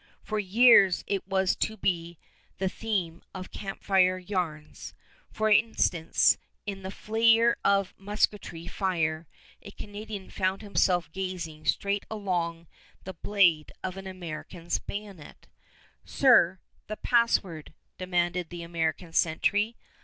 For years it was to be the theme of camp fire yarns. For instance, in the flare of musketry fire a Canadian found himself gazing straight along the blade of an American's bayonet. "Sir, the password," demanded the American sentry.